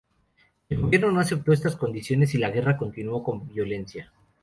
El gobierno no aceptó estas condiciones y la guerra continuó con violencia.